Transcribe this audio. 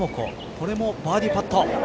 これもバーディーパット。